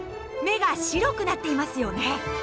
目が白くなっていますよね。